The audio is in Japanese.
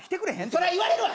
そりゃ言われるわ！